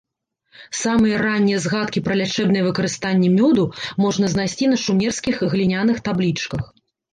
Самыя раннія згадкі пра лячэбнае выкарыстанні мёду можна знайсці на шумерскіх гліняных таблічках.